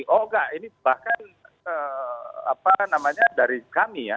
oh enggak ini bahkan apa namanya dari kami ya